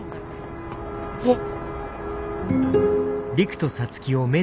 えっ。